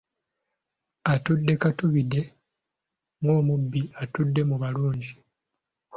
Atudde katubidde, ng’omubi atudde mu balungi.